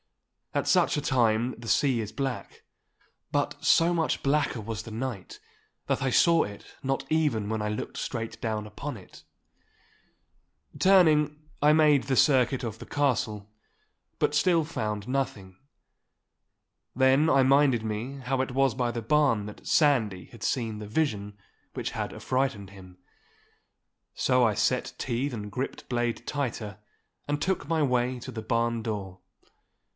At such a time the sea is black. But so much blacker was the night that I saw it not even when I looked straight down upon it. Turning, I made the circuit of the castle, but still found nothing. Then I minded me how it was by the barn that Sandy had seen the vision which had affrighted him. So I set teeth and gripped blade tighter, and took my way to the barn door.